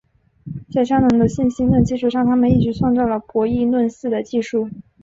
在香农的信息论基础上他们一起创造了博弈论似的技术。